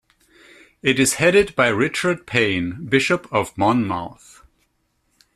It is headed by Richard Pain, Bishop of Monmouth.